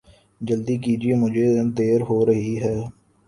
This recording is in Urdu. جلدی کیجئے مجھے دعر ہو رہی ہے